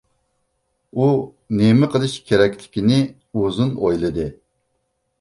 ئۇ نېمە قىلىش كېرەكلىكىنى ئۇزۇن ئويلىدى.